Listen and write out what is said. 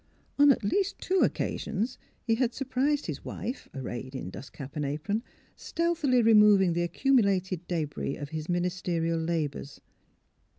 On at least tw^o occasions he had surprised his wife, ar rayed in dust cap and apron, stealthily removing the accumulated debris of his ministerial labors.